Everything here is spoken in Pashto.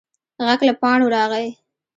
غږ له پاڼو راغی.